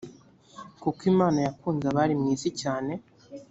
kuko imana yakunze abari mu isi cyane